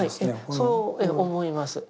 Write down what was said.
そう思います。